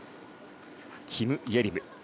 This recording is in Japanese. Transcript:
キム・イェリム。